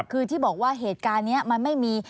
คือที่บอกว่าเหตุการณ์นี้มันไม่มี